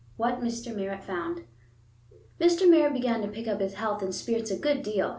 What Mr. Merritt Found Mr. Merritt began to pick up his health and spirits a good deal.